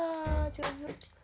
上手。